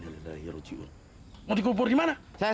celebritas untuk si manap mati